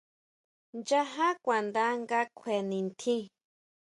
Nchajá kuanda nga kjue nitjín.